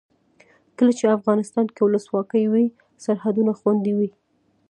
کله چې افغانستان کې ولسواکي وي سرحدونه خوندي وي.